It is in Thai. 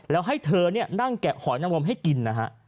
แล้วให้เธอนั่งแกะหอยนังลมให้กินนะฮะ